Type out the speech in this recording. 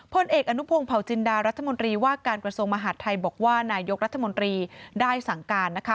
พลเอกอนุพงศ์เผาจินดารัฐมนตรีว่าการกระทรวงมหาดไทยบอกว่านายกรัฐมนตรีได้สั่งการนะคะ